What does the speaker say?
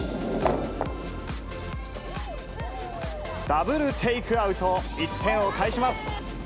ダブルテイクアウト、１点を返します。